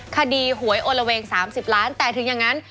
คดีหวยโอละเวง๓๐ล้านแต่ถึงอย่างนั้น